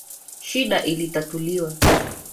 Shida ilitatuliwa.